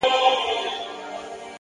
خاموش پرمختګ تر ښکاره خبرو قوي دی!